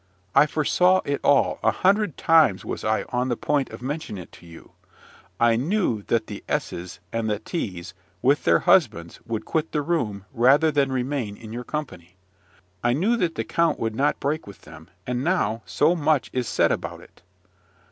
I foresaw it all, a hundred times was I on the point of mentioning it to you. I knew that the S s and T s, with their husbands, would quit the room, rather than remain in your company. I knew that the count would not break with them: and now so much is said about it."